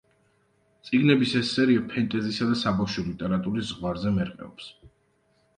წიგნების ეს სერია ფენტეზისა და საბავშვო ლიტერატურის ზღვარზე მერყეობს.